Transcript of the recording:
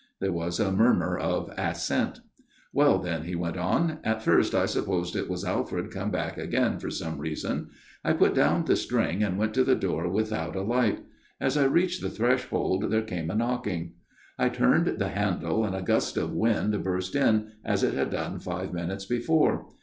There was a murmur of assent. " Well, then," he went on, " at first I supposed it was Alfred come back again for some reason. I put down the string and went to the door with out a light. As I reached the threshold there came a knocking. " I turned the handle and a gust of wind burst in, as it had done five minutes before.